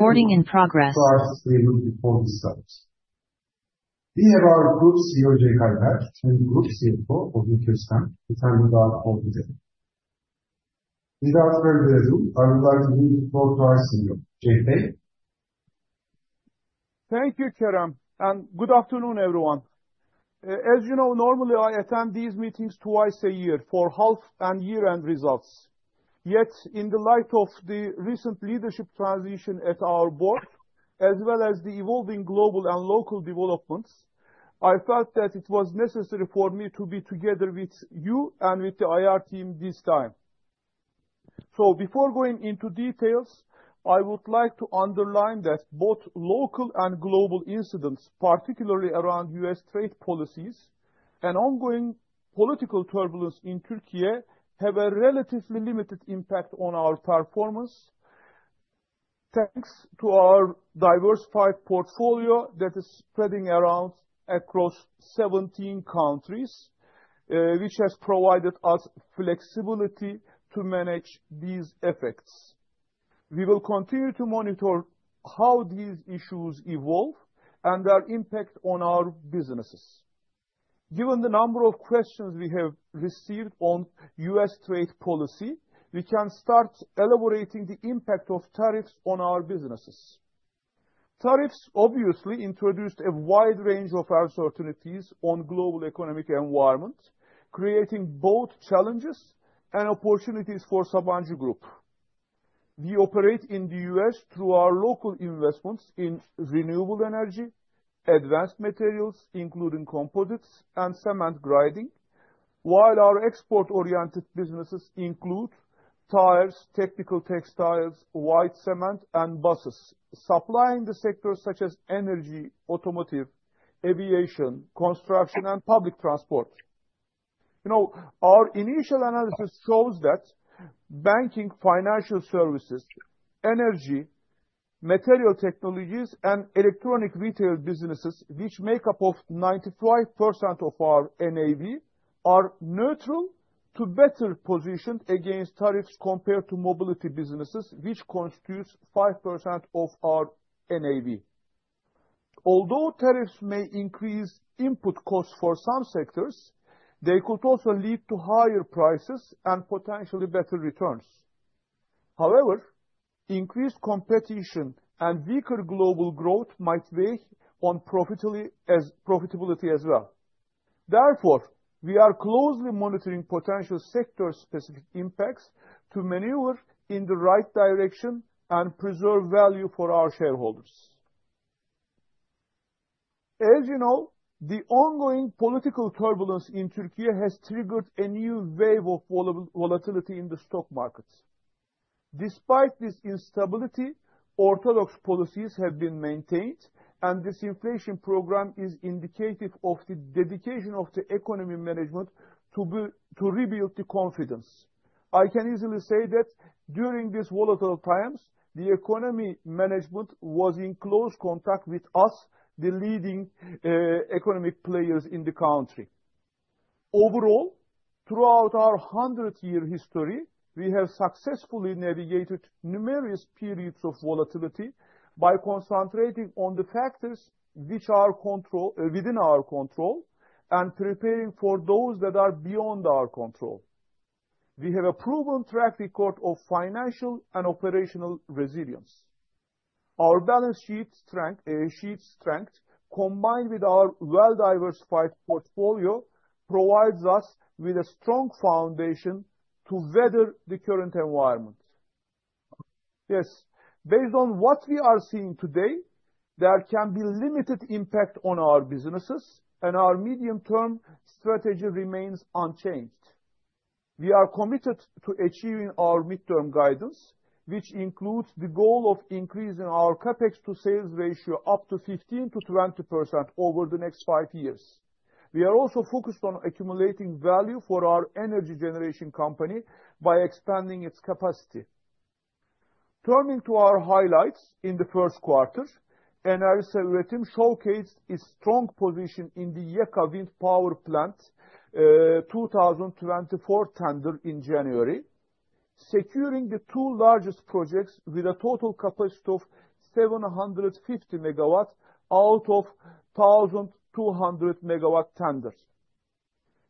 Recording in progress. First, we will do policy status. We have our Group CEO, Cenk Alper, and Group CFO, Orhun Köstem, to tell you about policy status. Without further ado, I would like to give the floor to our CEO, Cenk Alper. Thank you, Kerem, and good afternoon, everyone. As you know, normally I attend these meetings twice a year for half and year-end results. Yet, in the light of the recent leadership transition at our board, as well as the evolving global and local developments, I felt that it was necessary for me to be together with you and with the IR team this time. Before going into details, I would like to underline that both local and global incidents, particularly around U.S. trade policies and ongoing political turbulence in Türkiye, have a relatively limited impact on our performance. Thanks to our diversified portfolio that is spreading across 17 countries, which has provided us flexibility to manage these effects. We will continue to monitor how these issues evolve and their impact on our businesses. Given the number of questions we have received on U.S. Trade policy, we can start elaborating the impact of tariffs on our businesses. Tariffs, obviously, introduced a wide range of uncertainties on the global economic environment, creating both challenges and opportunities for Sabancı Group. We operate in the U.S. through our local investments in renewable energy, advanced materials, including composites and cement grinding, while our export-oriented businesses include tires, technical textiles, white cement, and buses, supplying the sectors such as energy, automotive, aviation, construction, and public transport. You know, our initial analysis shows that banking, financial services, energy, material technologies, and electronic retail businesses, which make up 95% of our NAV, are neutral to better positioned against tariffs compared to mobility businesses, which constitute 5% of our NAV. Although tariffs may increase input costs for some sectors, they could also lead to higher prices and potentially better returns. However, increased competition and weaker global growth might weigh on profitability as well. Therefore, we are closely monitoring potential sector-specific impacts to maneuver in the right direction and preserve value for our shareholders. As you know, the ongoing political turbulence in Türkiye has triggered a new wave of volatility in the stock market. Despite this instability, orthodox policies have been maintained, and this inflation program is indicative of the dedication of the economy management to rebuild the confidence. I can easily say that during these volatile times, the economy management was in close contact with us, the leading economic players in the country. Overall, throughout our 100-year history, we have successfully navigated numerous periods of volatility by concentrating on the factors which are within our control and preparing for those that are beyond our control. We have a proven track record of financial and operational resilience. Our balance sheet strength, combined with our well-diversified portfolio, provides us with a strong foundation to weather the current environment. Yes, based on what we are seeing today, there can be limited impact on our businesses, and our medium-term strategy remains unchanged. We are committed to achieving our midterm guidance, which includes the goal of increasing our capex-to-sales ratio up to 15%-20% over the next five years. We are also focused on accumulating value for our energy generation company by expanding its capacity. Turning to our highlights in the first quarter, Enerjisa Üretim showcased its strong position in the Yeka wind power plant 2024 tender in January, securing the two largest projects with a total capacity of 750 megawatts out of 1,200 megawatt tenders.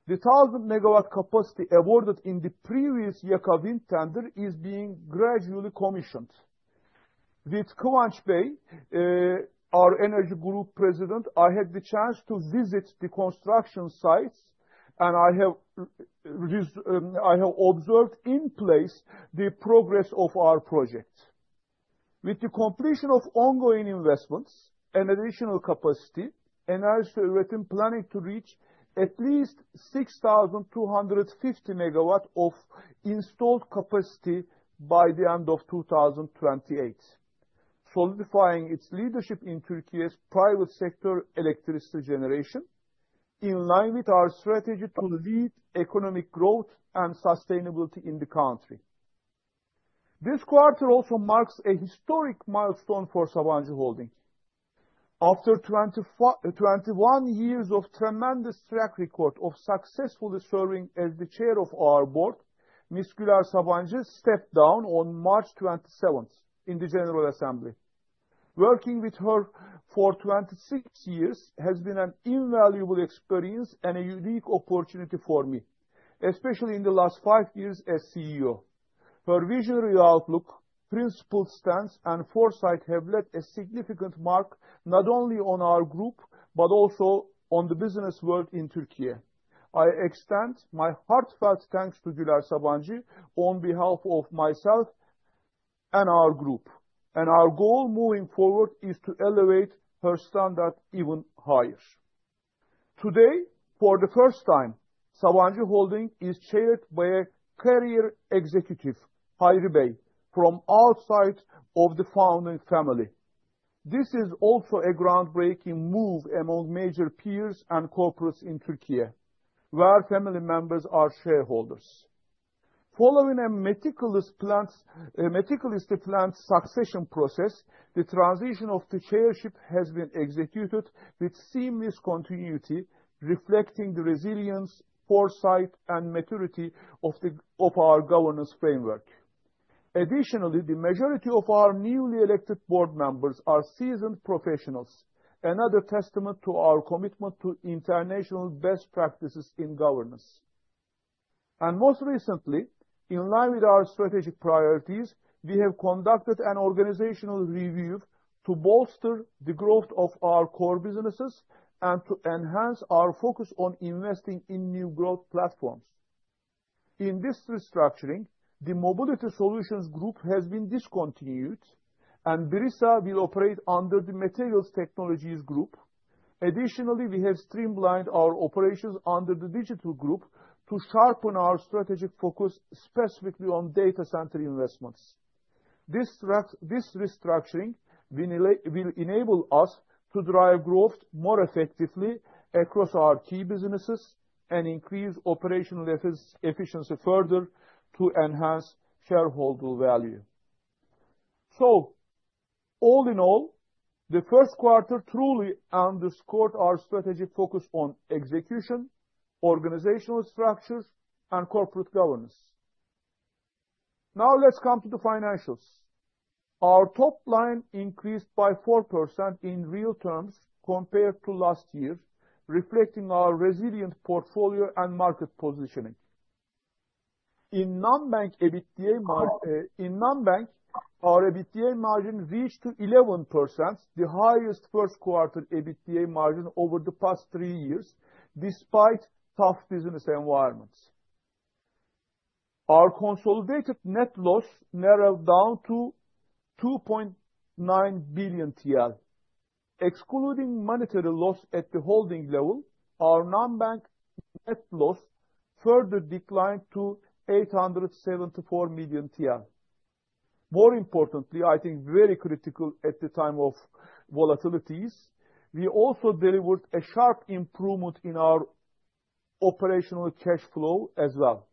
The 1,000 megawatt capacity awarded in the previous Yeka wind tender is being gradually commissioned. With Kıvanç Bey, our Enerjisa Group President, I had the chance to visit the construction sites, and I have observed in place the progress of our project. With the completion of ongoing investments and additional capacity, Enerjisa Üretim is planning to reach at least 6,250 megawatts of installed capacity by the end of 2028, solidifying its leadership in Türkiye's private sector electricity generation, in line with our strategy to lead economic growth and sustainability in the country. This quarter also marks a historic milestone for Sabancı Holding. After 21 years of tremendous track record of successfully serving as the Chair of our board, Ms. Güler Sabancı stepped down on March 27 in the General Assembly. Working with her for 26 years has been an invaluable experience and a unique opportunity for me, especially in the last five years as CEO. Her visionary outlook, principled stance, and foresight have left a significant mark not only on our group but also on the business world in Türkiye. I extend my heartfelt thanks to Güler Sabancı on behalf of myself and our group, and our goal moving forward is to elevate her standard even higher. Today, for the first time, Sabancı Holding is chaired by a career executive, Hayri Bey, from outside of the founding family. This is also a groundbreaking move among major peers and corporates in Türkiye, where family members are shareholders. Following a meticulously planned succession process, the transition of the chairship has been executed with seamless continuity, reflecting the resilience, foresight, and maturity of our governance framework. Additionally, the majority of our newly elected board members are seasoned professionals, another testament to our commitment to international best practices in governance. Most recently, in line with our strategic priorities, we have conducted an organizational review to bolster the growth of our core businesses and to enhance our focus on investing in new growth platforms. In this restructuring, the Mobility Solutions Group has been discontinued, and Brisa will operate under the Materials Technologies Group. Additionally, we have streamlined our operations under the Digital Group to sharpen our strategic focus specifically on data center investments. This restructuring will enable us to drive growth more effectively across our key businesses and increase operational efficiency further to enhance shareholder value. All in all, the first quarter truly underscored our strategic focus on execution, organizational structure, and corporate governance. Now, let's come to the financials. Our top line increased by 4% in real terms compared to last year, reflecting our resilient portfolio and market positioning. In non-bank, our EBITDA margin reached 11%, the highest first-quarter EBITDA margin over the past three years, despite tough business environments. Our consolidated net loss narrowed down to 2.9 billion TL. Excluding monetary loss at the holding level, our non-bank net loss further declined to 874 million. More importantly, I think very critical at the time of volatilities, we also delivered a sharp improvement in our operational cash flow as well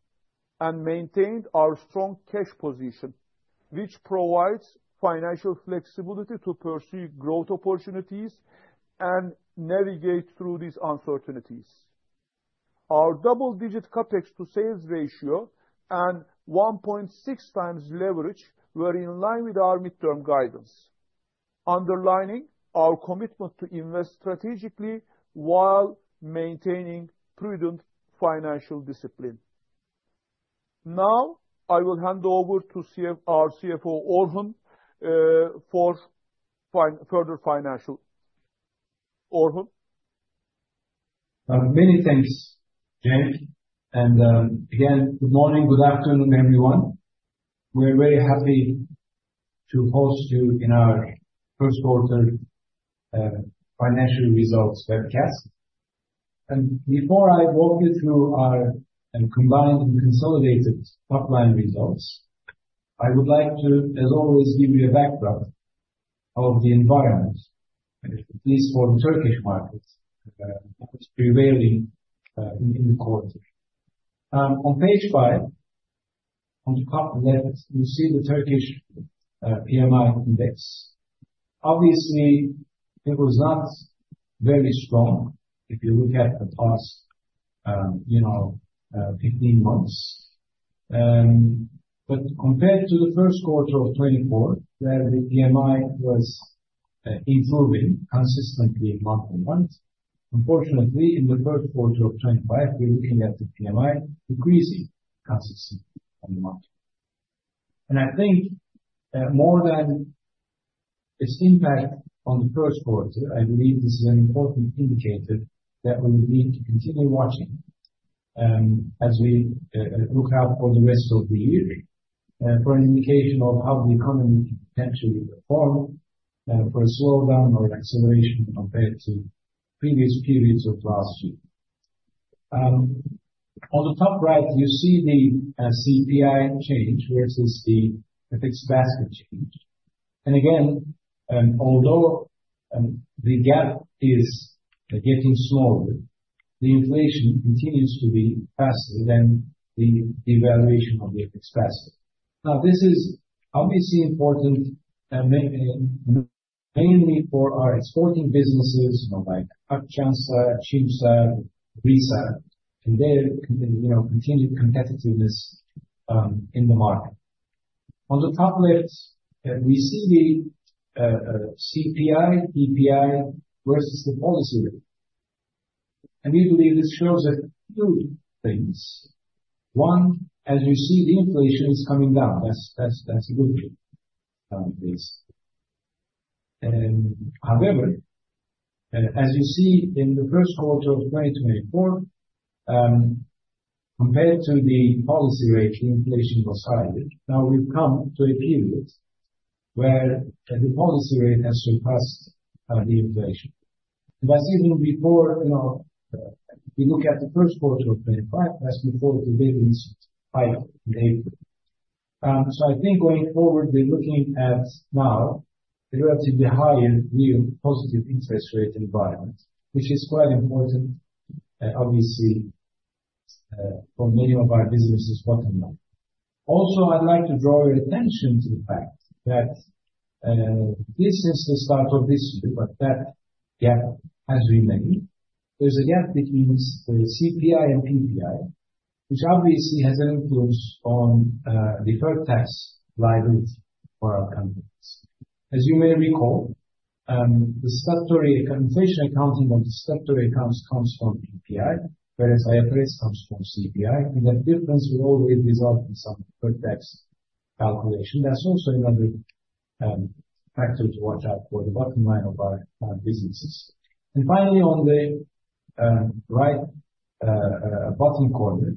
and maintained our strong cash position, which provides financial flexibility to pursue growth opportunities and navigate through these uncertainties. Our double-digit capex-to-sales ratio and 1.6 times leverage were in line with our midterm guidance, underlining our commitment to invest strategically while maintaining prudent financial discipline. Now, I will hand over to our CFO, Orhun, for further financial. Orhun. Many thanks, Jake. Again, good morning, good afternoon, everyone. We're very happy to host you in our first-quarter financial results webcast. Before I walk you through our combined and consolidated top-line results, I would like to, as always, give you a background of the environment, at least for the Turkish market, prevailing in the quarter. On page five, on the top left, you see the Turkish PMI index. Obviously, it was not very strong if you look at the past 15 months. Compared to the first quarter of 2024, where the PMI was improving consistently month-to-month, unfortunately, in the first quarter of 2025, we're looking at the PMI decreasing consistently month-to-month. I think more than its impact on the first quarter, I believe this is an important indicator that we need to continue watching as we look out for the rest of the year for an indication of how the economy can potentially perform for a slowdown or acceleration compared to previous periods of last year. On the top right, you see the CPI change versus the FX basket change. Again, although the gap is getting smaller, the inflation continues to be faster than the devaluation of the FX basket. This is obviously important mainly for our exporting businesses like Akçansa, Çimsa, Brisa, and their continued competitiveness in the market. On the top left, we see the CPI, PPI versus the policy rate. We believe this shows a few things. One, as you see, the inflation is coming down. That's a good thing. However, as you see in the first quarter of 2024, compared to the policy rate, the inflation was higher. Now, we've come to a period where the policy rate has surpassed the inflation. That's even before we look at the first quarter of 2025, that's before the latest high data. I think going forward, we're looking at now a relatively higher new positive interest rate environment, which is quite important, obviously, for many of our businesses' bottom line. Also, I'd like to draw your attention to the fact that this is the start of this year, but that gap has remained. There's a gap between the CPI and PPI, which obviously has an influence on the third tax liability for our companies. As you may recall, the statutory accounting of the statutory accounts comes from PPI, whereas IFRS comes from CPI. That difference will always result in some third tax calculation. That is also another factor to watch out for the bottom line of our businesses. Finally, on the right bottom corner,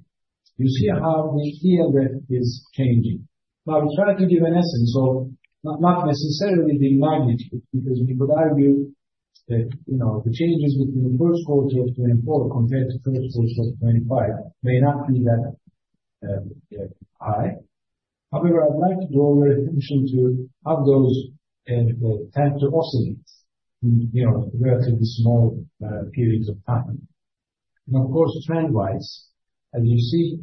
you see how the EMF is changing. Now, I'll try to give an essence of not necessarily the magnitude because we could argue that the changes between the first quarter of 2024 compared to the first quarter of 2025 may not be that high. However, I'd like to draw your attention to how those tend to oscillate in relatively small periods of time. Of course, trend-wise, as you see,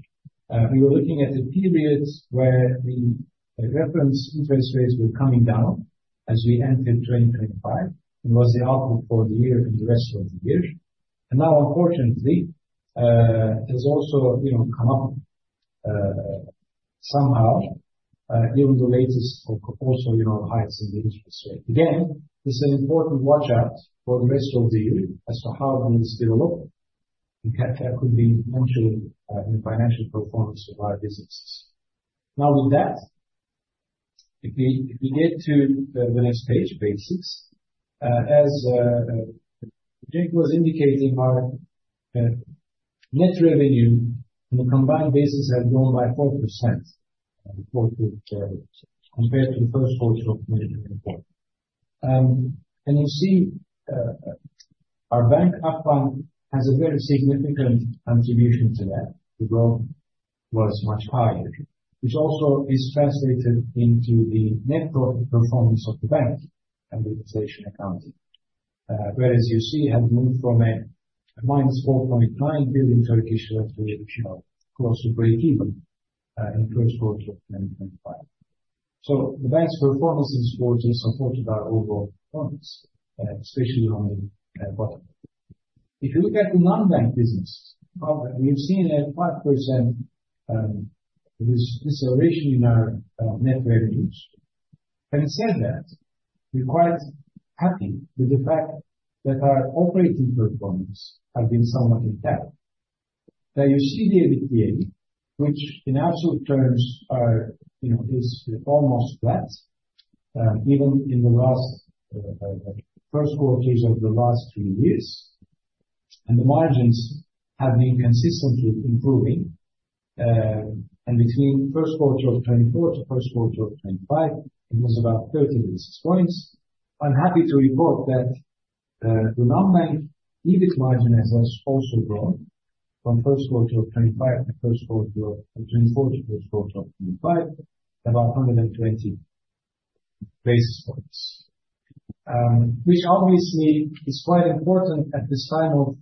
we were looking at a period where the reference interest rates were coming down as we entered 2025. It was the outlook for the year and the rest of the year. Now, unfortunately, it has also come up somehow, given the latest also highs in the interest rate. Again, this is an important watch-out for the rest of the year as to how things develop and how that could be influential in the financial performance of our businesses. With that, if we get to the next page, basics, as Jake was indicating, our net revenue on a combined basis has grown by 4% compared to the first quarter of 2024. You see our bank upfront has a very significant contribution to that. The growth was much higher, which also is translated into the net profit performance of the bank and the inflation accounting, whereas you see it has moved from a minus 4.9 billion to close to break-even in the first quarter of 2025. The bank's performance in this quarter supported our overall performance, especially on the bottom. If you look at the non-bank businesses, we've seen a 5% deceleration in our net revenues. Having said that, we're quite happy with the fact that our operating performance has been somewhat intact. You see the EBITDA, which in absolute terms is almost flat, even in the first quarters of the last three years. The margins have been consistently improving. Between the first quarter of 2024 to the first quarter of 2025, it was about 36 percentage points. I'm happy to report that the non-bank EBIT margin has also grown from the first quarter of 2024 to the first quarter of 2025, about 120 basis points, which obviously is quite important at this time of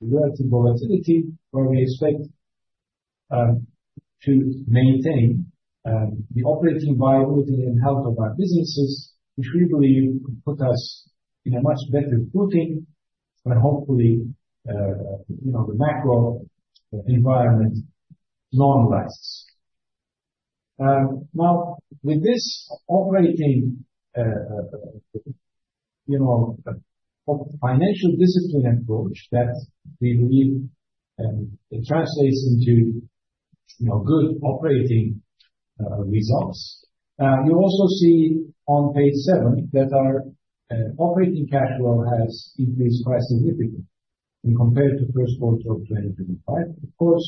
relative volatility, where we expect to maintain the operating viability and health of our businesses, which we believe could put us in a much better footing when hopefully the macro environment normalizes. Now, with this operating financial discipline approach that we believe translates into good operating results, you also see on page seven that our operating cash flow has increased quite significantly compared to the first quarter of 2025. Of course,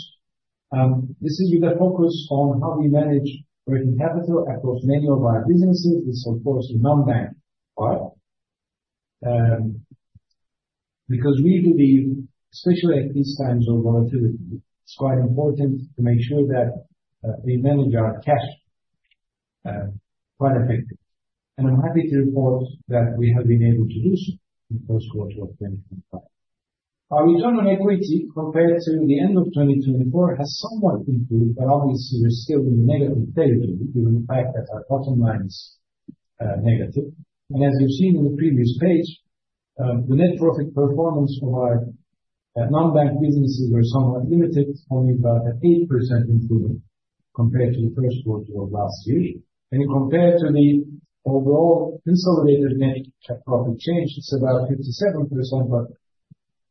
you get focus on how we manage working capital across many of our businesses. It's of course the non-bank part because we believe, especially at these times of volatility, it's quite important to make sure that we manage our cash quite effectively. I'm happy to report that we have been able to do so in the first quarter of 2025. Our return on equity compared to the end of 2024 has somewhat improved, but obviously, we're still in the negative territory given the fact that our bottom line is negative. As you've seen in the previous page, the net profit performance of our non-bank businesses was somewhat limited, only about an 8% improvement compared to the first quarter of last year. Compared to the overall consolidated net profit change, it's about 57%.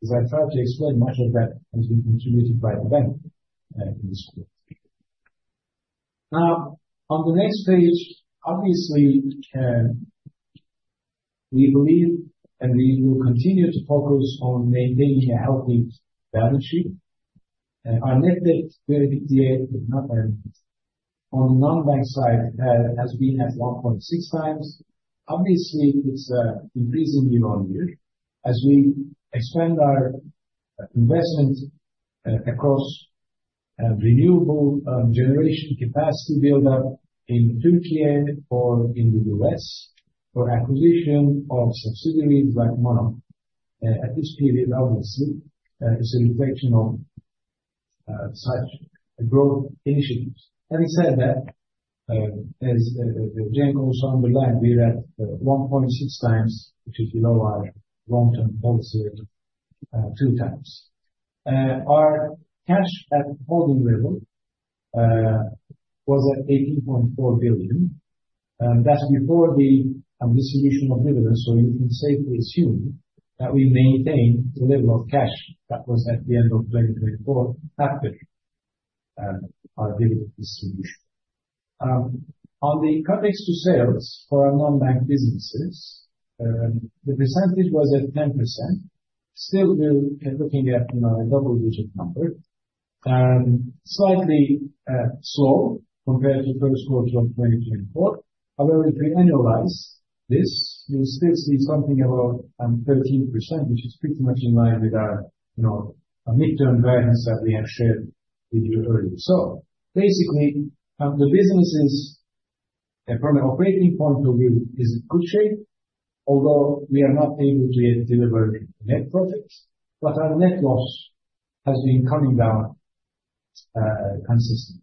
As I tried to explain, much of that has been contributed by the bank in this quarter. Now, on the next page, obviously, we believe and we will continue to focus on maintaining a healthy balance sheet. Our net debt to EBITDA on the non-bank side has been at 1.6 times. Obviously, it's increasing year on year as we expand our investment across renewable generation capacity build-up in Türkiye or in the U.S. for acquisition of subsidiaries like Monarch. At this period, obviously, it's a reflection of such growth initiatives. Having said that, as Jake also underlined, we're at 1.6 times, which is below our long-term policy rate, two times. Our cash at holding level was at 18.4 billion. That's before the distribution of dividends. You can safely assume that we maintain the level of cash that was at the end of 2024 after our dividend distribution. On the capex-to-sales for our non-bank businesses, the percentage was at 10%. Still, we're looking at a double-digit number, slightly slow compared to the first quarter of 2024. However, if we annualize this, we'll still see something about 13%, which is pretty much in line with our midterm guidance that we have shared with you earlier. Basically, the businesses, from an operating point of view, are in good shape, although we are not able to yet deliver net profits. Our net loss has been coming down consistently.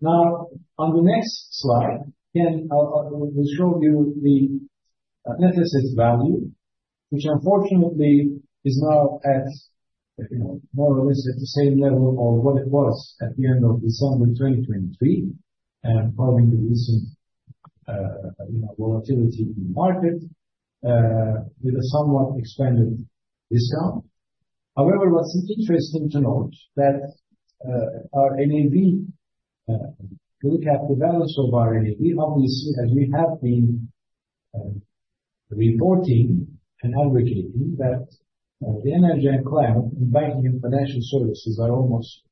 Now, on the next slide, again, I will show you the net asset value, which unfortunately is now at more or less the same level of what it was at the end of December 2023, following the recent volatility in the market, with a somewhat expanded discount. However, what's interesting to note is that our NAV, if you look at the balance of our NAV, obviously, as we have been reporting and advocating that the energy and climate in banking and financial services are almost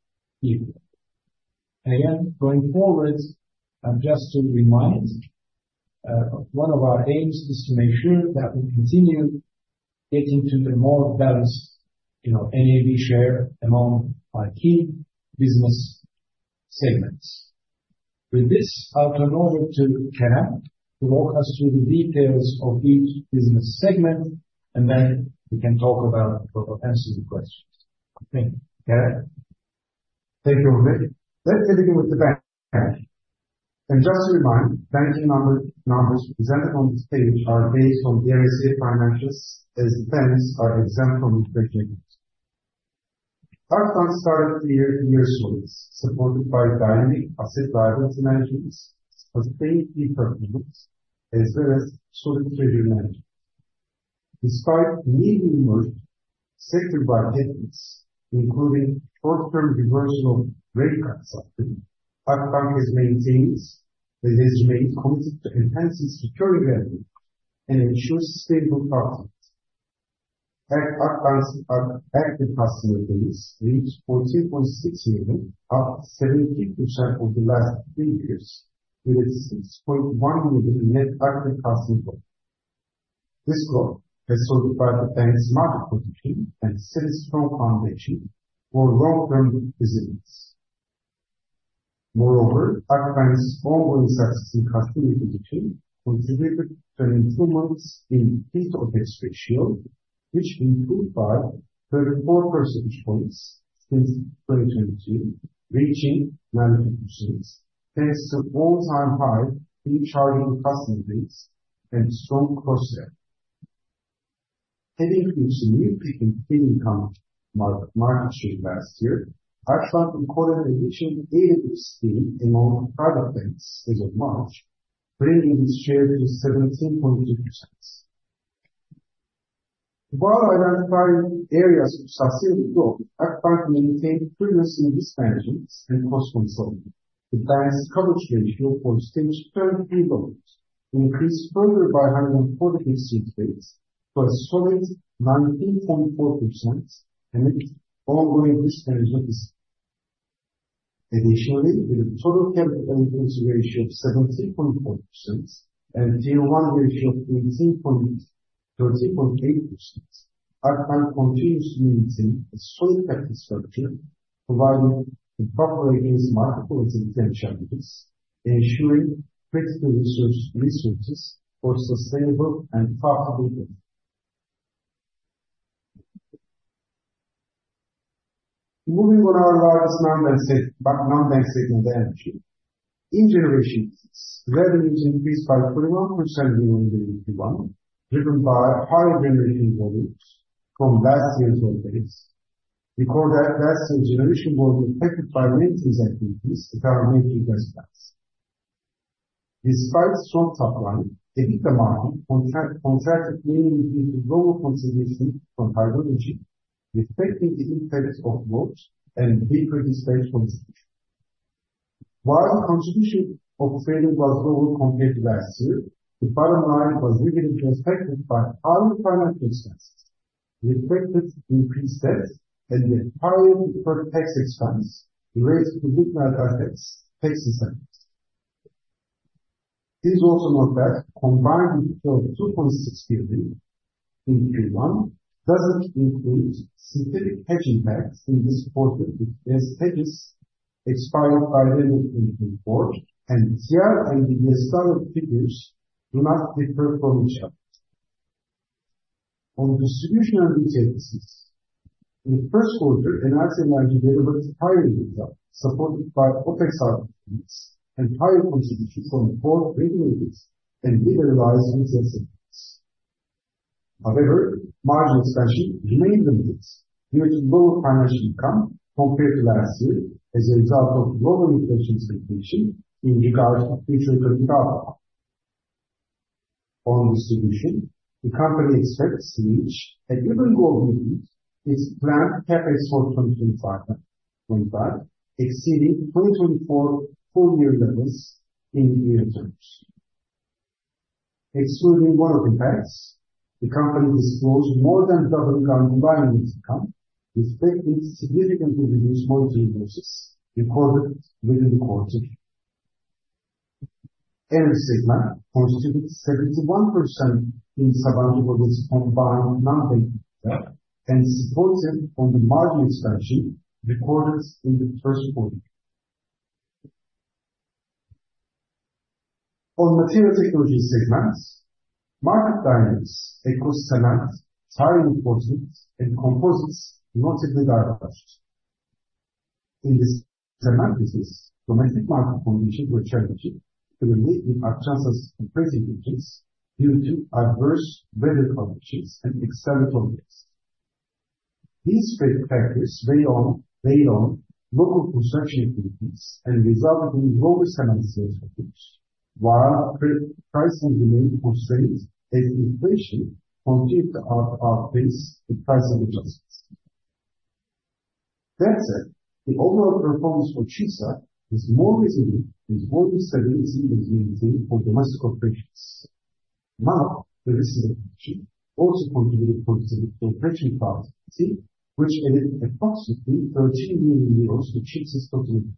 equal. Again, going forward, just to remind, one of our aims is to make sure that we continue getting to a more balanced NAV share among our key business segments. With this, I'll turn over to Kerem to walk us through the details of each business segment, and then we can talk about the potential questions. Thank you. Kerem. Thank you, Ömer. Let's begin with the bank. Just a reminder, banking numbers presented on this page are based on the RSA financials as the banks are exempt from the projections. Akbank started the year in year surplus, supported by dynamic asset liability managements, as paid fee performance, as well as solid treasury management. Despite newly emerged sector-by techniques, including short-term reversal of rate cuts, Akbank has maintained that it has remained committed to enhancing security value and ensures stable profits. Akbank's active customer base reached 14.6 million, up 73% over the last three years, with a 6.1 million net active customer profit. This growth has solidified the bank's market position and set a strong foundation for long-term resilience. Moreover, Akbank's ongoing success in customer position contributed to an improvement in the P/B ratio, which improved by 34 percentage points since 2022, reaching 92%, thanks to an all-time high in chargeable customer base and strong cross-sell. Having reached a new peak in cleaning market share last year, Akbank recorded an additional 80% gain among private banks as of March, bringing its share to 17.2%. While identifying areas for subsidy growth, Akbank maintained previously risk management and cost control. The bank's coverage ratio for stage 3 loans increased further by 140% to a solid 19.4% amid ongoing risk management. Additionally, with a total capital equity ratio of 17.4% and a tier-one ratio of 18.8%, Akbank continues to maintain a solid capital structure, providing properly against multiple existing challenges, ensuring critical resources for sustainable and profitable growth. Moving on to our largest non-bank segment, energy. In generation business, revenues increased by 21% during 2021, driven by higher generation volumes from last year's surveys. Record that last year's generation volume affected financing activities that are majorly pressurized. Despite strong supply, the EBITDA margin contracted cleanly due to global contribution from hydrology, reflecting the impact of growth and deeper displacement distribution. While the contribution of trading was lower compared to last year, the bottom line was reasonably affected by other financial expenses, reflected increased debt, and the higher preferred tax expense, related to liquid assets tax incentives. Please also note that combined with the 6 billion in Q1, it does not include significant hedge impacts in this quarter, with less hedges expired by the end of 2024, and the TR and the year started figures do not differ from each other. On distribution and retail business, in the first quarter, Energy and Energy delivered higher EBITDA, supported by OPEX outcomes and higher contribution from both regulated and liberalized retail segments. However, margin expansion remained limited due to lower financial income compared to last year as a result of global inflation expectation in regards to future economic outcomes. On distribution, the company expects to reach an even growth with its planned CapEx for 2025, exceeding 2024 full-year levels in year terms. Excluding one of the banks, the company disclosed more than double government buying rate income, reflecting significantly reduced monetary losses recorded within the quarter. Energy segment constituted 71% in Sabancı Holding's combined non-bank EBITDA and supported on the margin expansion recorded in the first quarter. On material technology segments, market dynamics, ecosystems, tariff enforcement, and composites notably diverged. In this semantic case, domestic market conditions were challenging, particularly with Akçansa's operating conditions due to adverse weather conditions and external projects. These factors weighed on local construction activities and resulted in global cement expectations, while pricing remained constrained as inflation continued to outpace the pricing adjustments. That said, the overall performance for Çimsa was more resilient than all the savings it was maintained for domestic operations. Now, the risk reduction also contributed to the operation capacity, which added approximately 13 million euros to Çimsa's continuity.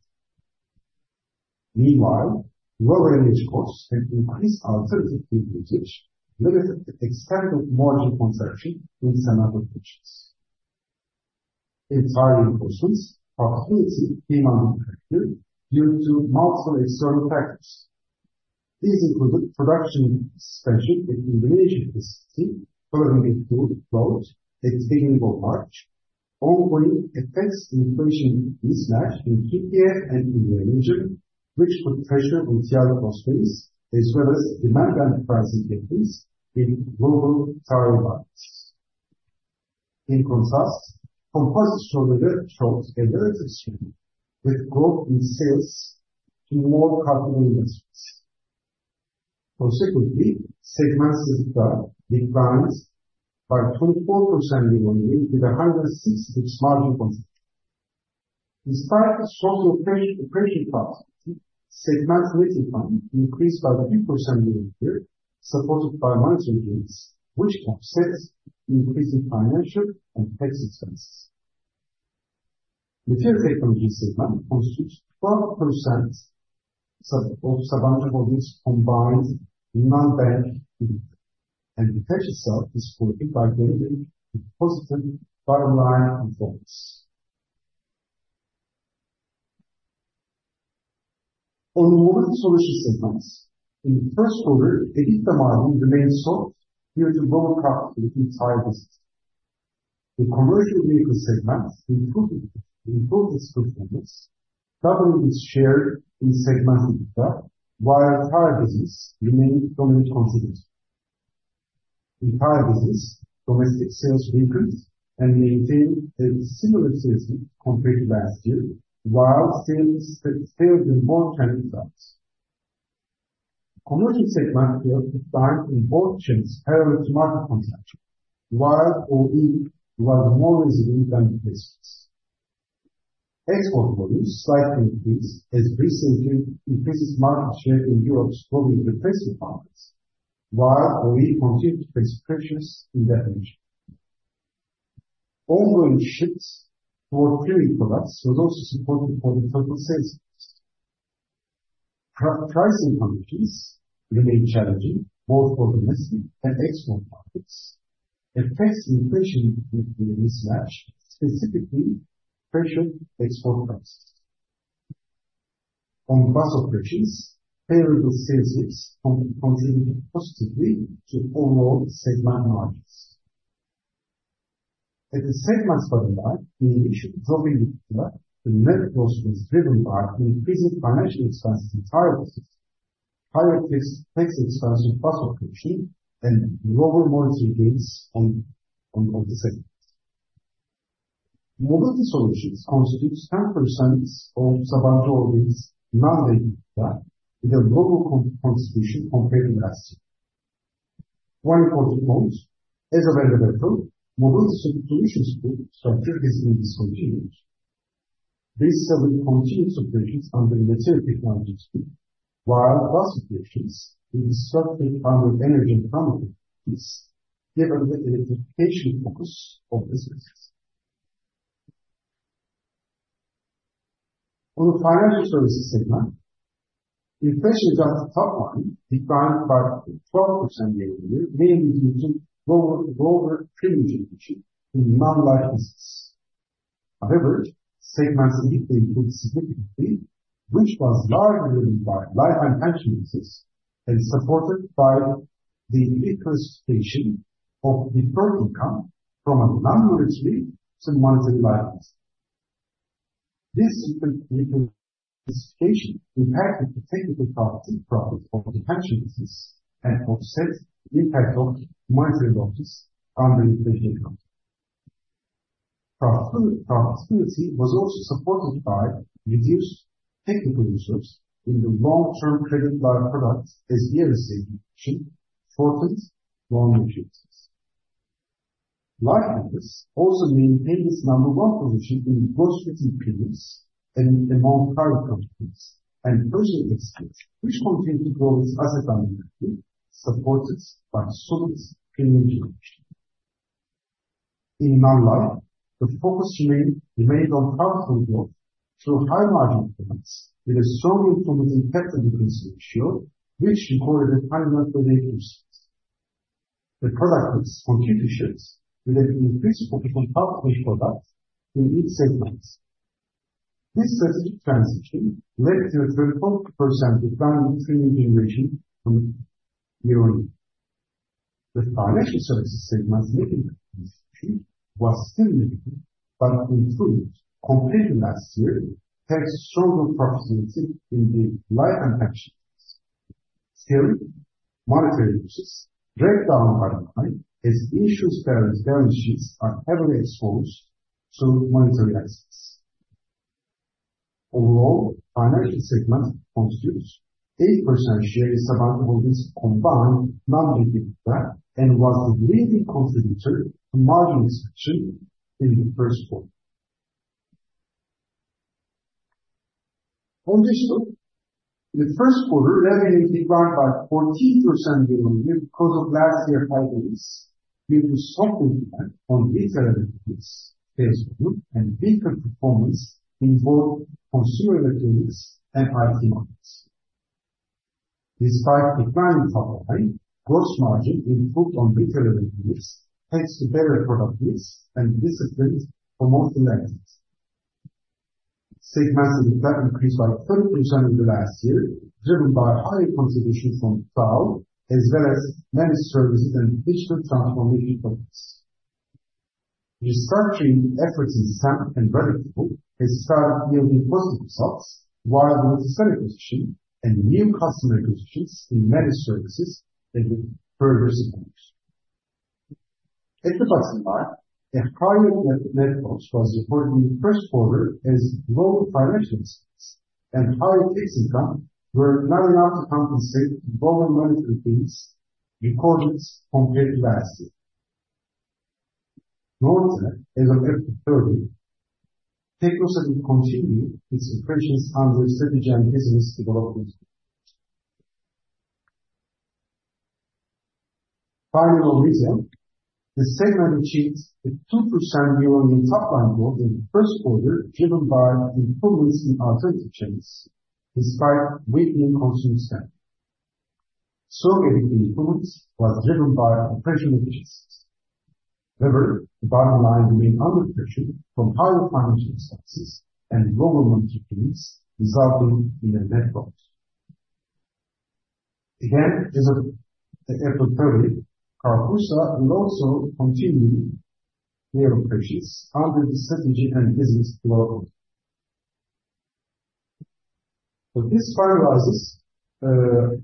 Meanwhile, lower energy costs and increased alternative grid usage limited the expanded margin contraction in cement conditions. In tariff enforcements, profitability came under the factor due to multiple external factors. These included production suspension in the Indonesia facility, following a flawed float at the beginning of March, ongoing effects on inflation in Türkiye and in the region, which put pressure on TL cross-base, as well as demand and pricing gaps with global tariff violations. In contrast, composites showed a relatively strong growth in sales to more capital investors. Consequently, segment EBITDA declined by 24% year on year with a 106-margin contract. Despite the strong operation capacity, segment net income increased by 3% year on year, supported by monetary gains, which offset increasing financial and tax expenses. Materials technology segment constitutes 12% of Sabancı Holding's combined non-bank EBITDA, and the hedge itself is supported by gaining a positive bottom line performance. On the mobility solutions segments, in the first quarter, EBITDA margin remained soft due to global profitability in tire business. The commercial vehicle segment improved its performance, doubling its share in segment EBITDA, while tire business remained dominant contributor. In tire business, domestic sales decreased and maintained a similar season compared to last year, while sales in both trends dropped. Commercial segment developed a dime in both trends parallel to market contraction, while OE was more resilient than the previous weeks. Export volumes slightly increased as Greece increased market share in Europe's global refreshment markets, while OE continued to face pressures in that region. Ongoing shifts toward premium products were also supported for the total sales growth. Pricing conditions remained challenging both for domestic and export markets, affecting inflation mismatch, specifically pressured export prices. On bus operations, payroll sales weeks contributed positively to overall segment margins. At the segment bottom line, in addition to dropping EBITDA, the net growth was driven by increasing financial expenses in tariff business, higher tax expense on bus operation, and global monetary gains on the segment. Mobility solutions constitutes 10% of Sabancı's non-bank EBITDA, with a global contribution compared to last year. One important point, as of end of April, mobility solutions group structure has been discontinued. This will continue to operations under the material technology group, while bus operations will be structured under energy and climate activities, given the electrification focus of businesses. On the financial services segment, inflation is at the top line, declined by 12% year on year, mainly due to global premium generation in non-life businesses. However, segment EBITDA improved significantly, which was largely driven by life and pension businesses and supported by the increased classification of deferred income from a non-monetary to monetary life business. This increased classification impacted the technical profit of the pension business and offset the impact of monetary losses under inflation accounting. Profitability was also supported by reduced technical reserves in the long-term credit-like products as the RSA contraction shortened long-term share businesses. Live business also maintained its number one position in gross retail premiums and in among tariff companies and personal expenditure, which continued to grow its asset dynamically, supported by solid premium generation. In non-life, the focus remained on powerful growth through high-margin products, with a strongly promoting capital equity ratio, which recorded a 108%. The product rates continued to shift, with an increased focus on powerful products in each segment. This strategic transition led to a 24% return on premium generation from year on year. The financial services segment's net income distribution was still negative but improved compared to last year, thanks to stronger profitability in the live and pension businesses. Still, monetary losses dragged down bottom line as the issues parallel balance sheets are heavily exposed to monetary excess. Overall, financial segment constitutes 8% share in Sabancı Holding's combined non-bank EBITDA and was the leading contributor to margin expansion in the first quarter. On this note, in the first quarter, revenues declined by 14% year on year because of last year's high gains, due to strong impact on retail activities, sales volume, and weaker performance in both consumer electronics and IT markets. Despite declining top line, gross margin improved on retail electronics, thanks to better productivity and disciplined promotional activities. Segment EBITDA increased by 30% in the last year, driven by higher contribution from trial as well as managed services and digital transformation projects. Restructuring efforts in SAMP and Revitable have started yielding positive results, while domestic seller position and new customer acquisitions in managed services have further supported. At the bottom line, a higher net cost was recorded in the first quarter as global financial expenses and higher tax income were not enough to compensate global monetary gains recorded compared to last year. Northern, as of April 30, techno sector continued its operations under strategic and business development. Final result, the segment achieved a 2% year on year top line growth in the first quarter, driven by improvements in alternative channels, despite weakening consumer spending. Strongly, improvements were driven by operational efficiencies. However, the bottom line remained under pressure from higher financial expenses and global monetary gains, resulting in a net growth. Again, as of April 30, Çimsa will also continue their operations under the strategic and business development. With these finalizes,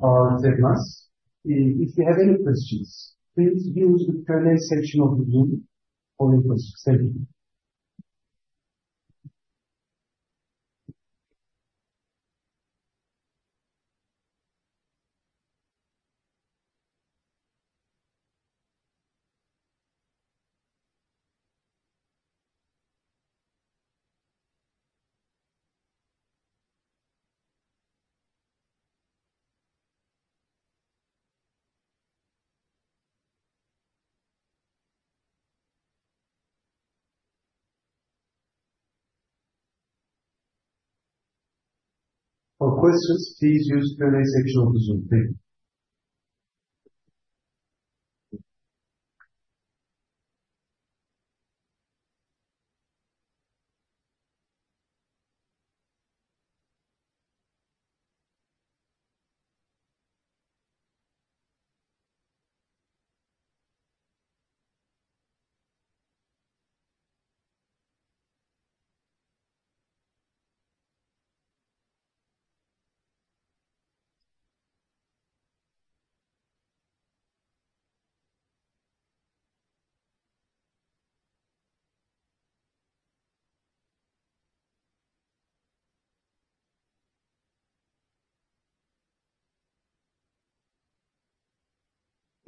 our segments, if you have any questions, please use the Q&A section of the Zoom for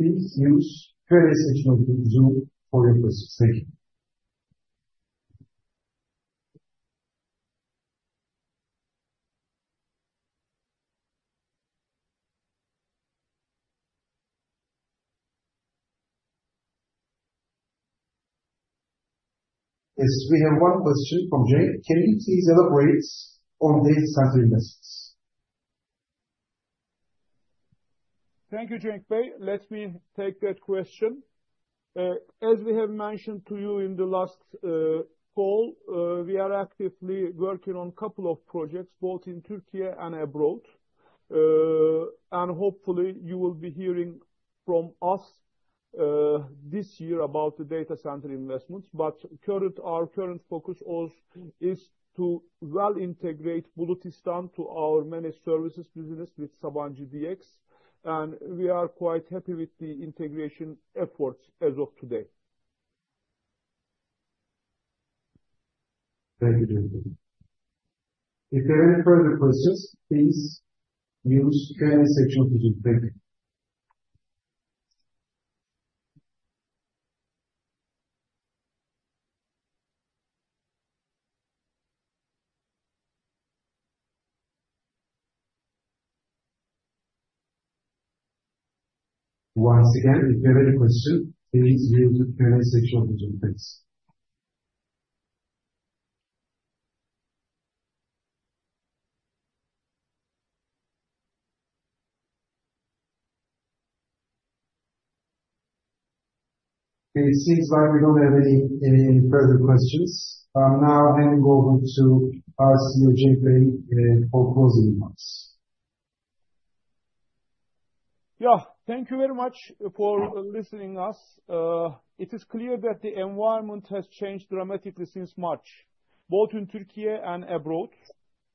Please use the Q&A section of the Zoom for your questions. Thank you. Yes, we have one question from Cenk. Can you please elaborate on the sanitary investments? Thank you, Cenk Bey. Let me take that question. As we have mentioned to you in the last call, we are actively working on a couple of projects, both in Türkiye and abroad. Hopefully, you will be hearing from us this year about the data center investments. Our current focus is to well integrate Bulutistan to our managed services business with Sabancı DX. We are quite happy with the integration efforts as of today. Thank you, Cenk Bey. If there are any further questions, please use the Q&A section of the Zoom. Thank you. Once again, if you have any questions, please use the Q&A section of the Zoom. Thanks. It seems like we do not have any further questions. I am now handing over to our CEO, Cenk Bey, for closing remarks. Yeah, thank you very much for listening to us. It is clear that the environment has changed dramatically since March, both in Türkiye and abroad,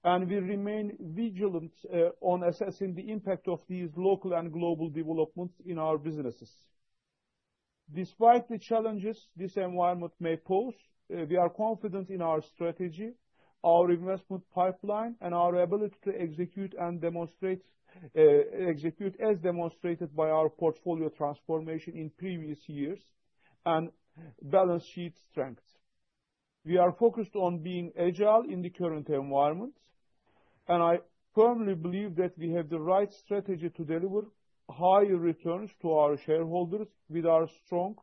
and we remain vigilant on assessing the impact of these local and global developments in our businesses. Despite the challenges this environment may pose, we are confident in our strategy, our investment pipeline, and our ability to execute as demonstrated by our portfolio transformation in previous years and balance sheet strength. We are focused on being agile in the current environment, and I firmly believe that we have the right strategy to deliver higher returns to our shareholders with our strong,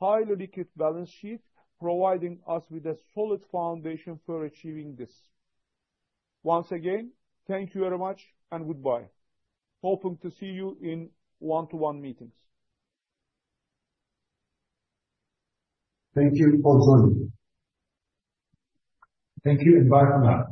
highly liquid balance sheet, providing us with a solid foundation for achieving this. Once again, thank you very much and goodbye. Hoping to see you in one-to-one meetings. Thank you for joining. Thank you and bye for now.